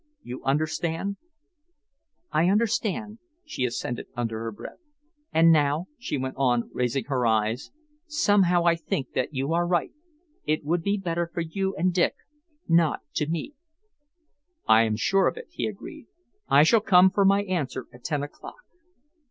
You understand?" "I understand," she assented, under her breath. "And now," she went on, raising her eyes, "somehow I think that you are right. It would be better for you and Dick not to meet." "I am sure of it," he agreed. "I shall come for my answer at ten o'clock.